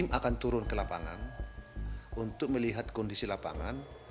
tim akan turun ke lapangan untuk melihat kondisi lapangan